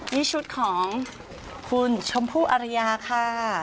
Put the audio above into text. นี่ชุดของคุณชมพู่อรยาค่ะ